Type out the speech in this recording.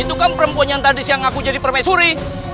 itu kan perempuan yang tadi siang aku jadi permaisuri